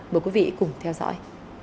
mời quý vị cùng theo dõi